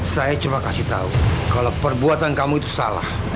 saya cuma kasih tahu kalau perbuatan kamu itu salah